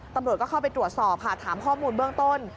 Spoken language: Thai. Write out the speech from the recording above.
ตำรวจก็เข้าไปตรวจสอบค่ะถามข้อมูลเบื้องต้น